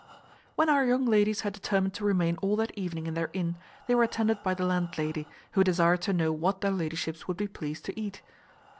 When our young ladies had determined to remain all that evening in their inn they were attended by the landlady, who desired to know what their ladyships would be pleased to eat.